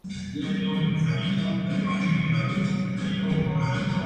Tema: Be Quick Or Be Dead.